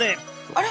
あれ？